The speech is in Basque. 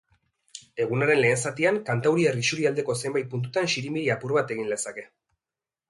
Egunaren lehen zatian kantauriar isurialdeko zenbait puntutan zirimiri apur bat egin lezake.